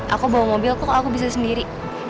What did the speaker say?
aku bawa mobil tuh aku bisa sendiri